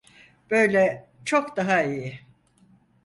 Böyle çok daha iyi.